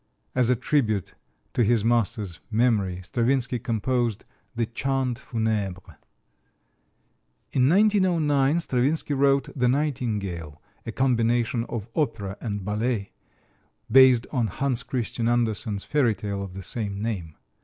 As a tribute to his master's memory Stravinsky composed the Chant Funèbre. In 1909 Stravinsky wrote "The Nightingale," a combination of opera and ballet, based on Hans Christian Andersen's fairy tale of the same name.